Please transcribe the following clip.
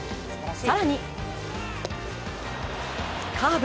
更に、カーブ。